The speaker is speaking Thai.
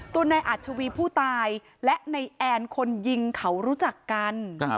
ตัวนายอาชวีผู้ตายและนายแอนคนยิงเขารู้จักกัน